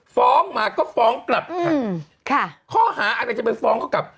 ฟ้องมาก็ฟ้องกลับค่ะข้อหาอะไรจะไปฟ้องเขากลับ